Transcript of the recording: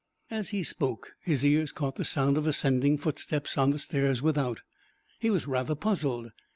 As he spoke, his ears caught the sound of ascending footsteps on the stairs without. He was rather puzzled.